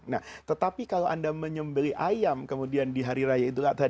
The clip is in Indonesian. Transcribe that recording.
nah tetapi kalau anda menyembeli ayam kemudian di hari raya idul adha